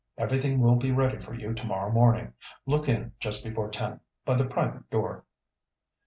Everything will be ready for you to morrow morning. Look in just before ten—by the private door."